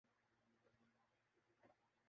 اکثریت نے مگر قائد اعظم کے حق میں فیصلہ دیا تھا۔